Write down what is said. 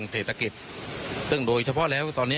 เพราะณ